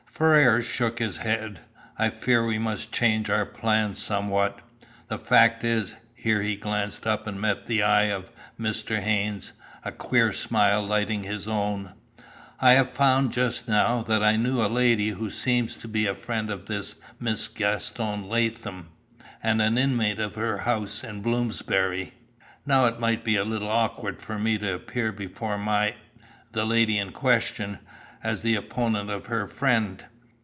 Ferrars shook his head. "I fear we must change our plans somewhat. The fact is," here he glanced up and met the eye of Mr. Haynes, a queer smile lighting his own, "I have found just now, that I knew a lady who seems to be a friend of this Mrs. Gaston Latham, and an inmate of her house in Bloomsbury. Now it might be a little awkward for me to appear before my the lady in question, as the opponent of her friend.